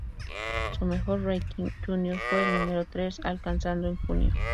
Su mejor "ranking" júnior fue el número tres, alcanzado en junio.